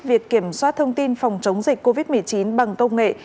việc kiểm soát thông tin phòng chống dịch covid một mươi chín bằng công nghệ